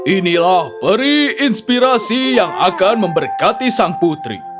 inilah peri inspirasi yang akan memberkati sang putri